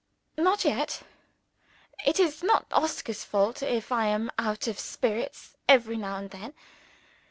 Not yet! It is not Oscar's fault, if I am out of spirits every now and then.